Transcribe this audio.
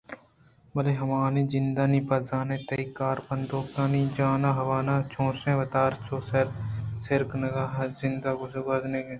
بلے ہماہانی جندانی بہ زاں تئی کار بندُوکانی جان ءِ حوناں چُونسان ءُ وتارا پُرّ ءُ سیر کنان ءُ زند ءَ گوٛازیناں